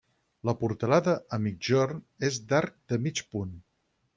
La portalada a migjorn és d'arc de mig punt.